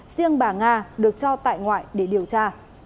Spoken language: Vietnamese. riêng bà nga được cho tại ngoại để điều tra